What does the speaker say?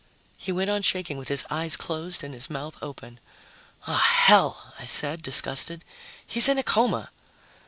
He went on shaking with his eyes closed and his mouth open. "Ah, hell!" I said, disgusted. "He's in a coma."